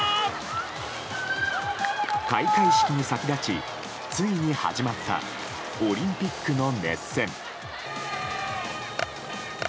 開会式に先立ちついに始まったオリンピックの熱戦。